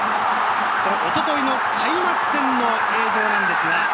おとといの開幕戦の映像です。